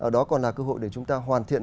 đó còn là cơ hội để chúng ta hoàn thiện